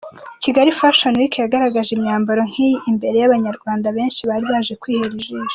Kigali Fashion Week yagaragje imyambaro nkiyi imbere y'abanyarwanda benshi bari baje kwihera ijisho.